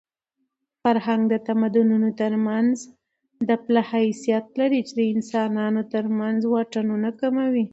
فرهنګ د تمدنونو ترمنځ د پله حیثیت لري چې د انسانانو ترمنځ واټنونه کموي.